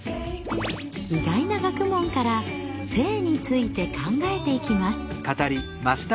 意外な学問から性について考えていきます。